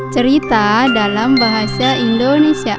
cerita dalam bahasa indonesia